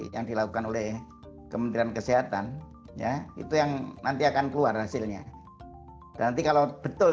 yang dilakukan oleh kementerian kesehatan ya itu yang nanti akan keluar hasilnya nanti kalau betul